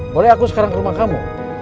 boleh aku sekarang ke rumah kamu